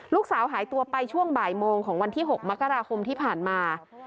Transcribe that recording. ลูกสาวหายตัวไปช่วงบ่ายโมงของวันที่๖มกราคมที่ผ่านมา